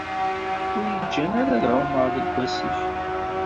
Ur yi-ǧǧan ara ad ɛummeɣ deg asif.